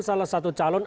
salah satu calon